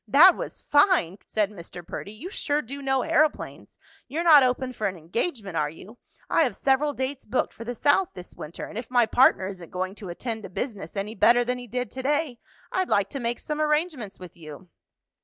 "That was fine!" said Mr. Perdy. "You sure do know aeroplanes! You're not open for an engagement, are you? I have several dates booked for the South this winter, and if my partner isn't going to attend to business any better than he did to day, I'd like to make some arrangements with you."